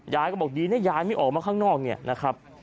ยายก็บอกดีนะยายไม่ออกมาข้างนอกเนี่ยนะครับ